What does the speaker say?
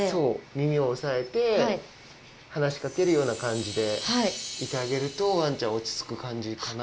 耳を押さえて話し掛けるような感じでいてあげるとワンちゃん落ち着く感じかな。